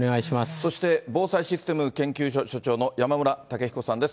そして防災システム研究所所長の山村武彦さんです。